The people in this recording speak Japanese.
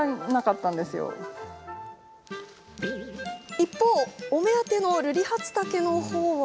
一方、お目当てのルリハツタケのほうは。